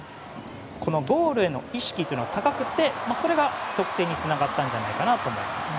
このゴールへの意識が高くてそれが得点につながったんじゃないかなと思います。